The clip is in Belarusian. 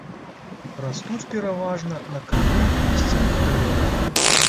Растуць пераважна на кары лісцевых дрэў.